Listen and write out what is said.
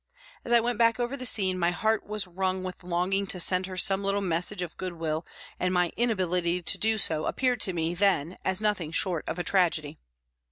As I went back over the scene, my heart was wrung with longing to send her some little message of good will and my inability to do so appeared to me then as nothing short of a tragedy.